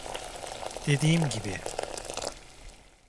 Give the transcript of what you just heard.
Dediğim gibi.